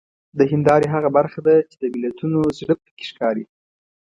د هیندارې هغه برخه ده چې د ملتونو زړه پکې ښکاري.